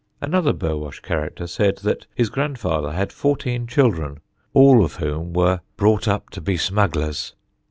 Another Burwash character said that his grandfather had fourteen children, all of whom were "brought up to be smugglers."